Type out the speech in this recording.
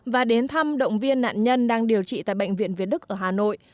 và đến thăm động viên nạn nhân đang điều trị tại bệnh viện việt đức ở hà nội